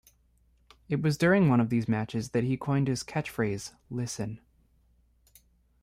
It was during one of these matches that he coined his catch-phrase Listen...